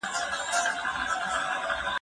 هغه سړی چې ډوډۍ پخوي خیر محمد پیژني.